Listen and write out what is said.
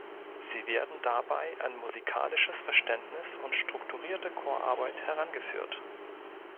Sie werden dabei an musikalisches Verständnis und strukturierte Chorarbeit herangeführt.